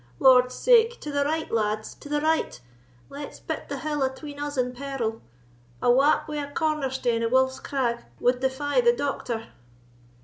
Lord's sake, to the right, lads—to the right; let's pit the hill atween us and peril,—a wap wi' a corner stane o' Wolf's Crag wad defy the doctor!"